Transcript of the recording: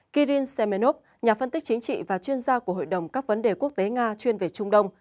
kirin semenov nhà phân tích chính trị và chuyên gia của hội đồng các vấn đề quốc tế nga chuyên về trung đông